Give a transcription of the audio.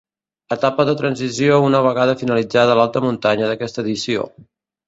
Etapa de transició una vegada finalitzada l'alta muntanya d'aquesta edició.